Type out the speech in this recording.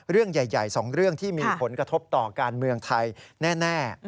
เรื่องใหญ่๒เรื่องที่มีผลกระทบต่อการเมืองไทยแน่